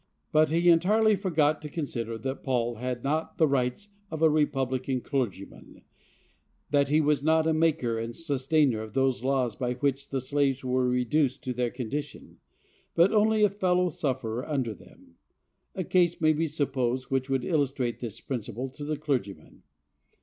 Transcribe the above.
But he entirely forgot to consider that Paul had not the rights of a republican clergyman; that he was not a maker and sustainer of those laws by which the slaves were reduced to their condition, but only a fellow sufferer under them. A case may be supposed which would illustrate this principle to the clergyman.